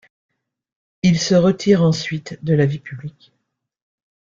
Il se retire ensuite de la vie publique.